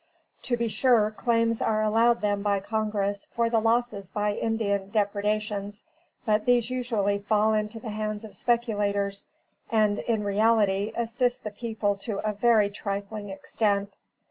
To be sure, claims are allowed them by Congress for the losses by Indian depredations, but these usually fall into the hands of speculators, and in reality, assist the people to a very trifling extent.